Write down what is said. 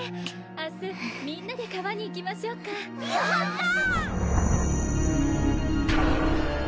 明日みんなで川に行きましょうかやった！